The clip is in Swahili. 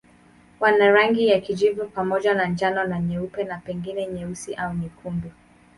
Wana rangi ya kijivu pamoja na njano na nyeupe na pengine nyeusi au nyekundu.